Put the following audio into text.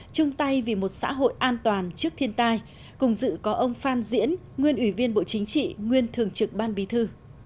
chung tay vì một xã hội an toàn trước thiên tai cùng dự có ông phan diễn nguyên ủy viên bộ chính trị nguyên thường trực ban bí thư